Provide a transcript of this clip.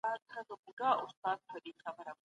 الله ته د خپلو کړنو حساب ورکوئ.